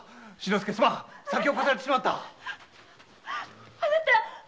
すまん先を越されてしまった！